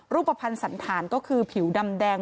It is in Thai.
รูปภัณฑ์สันธารก็คือผิวดำแดง